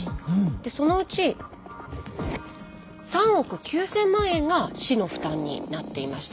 でそのうち３億９，０００万円が市の負担になっていました。